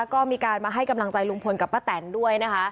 ก็มีการมาให้กำลังใจลุงพลกับป้าแตนด้วยนะคะ